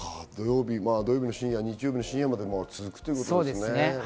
土曜日の深夜、日曜日の深夜まで続くってことですね。